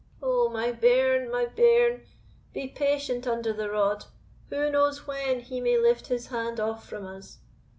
"O my bairn, my bairn! be patient under the rod. Who knows when He may lift His hand off from us?